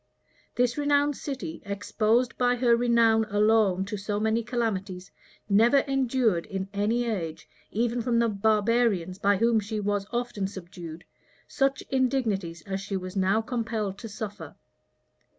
This renowned city, exposed by her renown alone to so many calamities, never endured, in any age, even from the barbarians by whom she was often subdued, such indignities as she was now compelled to suffer.